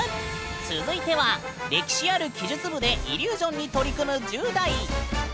続いては歴史ある奇術部でイリュージョンに取り組む１０代！